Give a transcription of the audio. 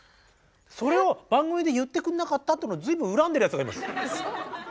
それを番組で言ってくんなかったっていうのを随分恨んでるやつがいます。